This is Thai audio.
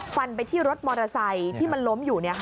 ฟันไปที่รถมอเตอร์ไซค์ที่มันล้มอยู่